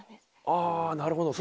ああなるほど。